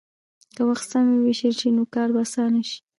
که وخت سم ووېشل شي، نو کار به اسانه شي.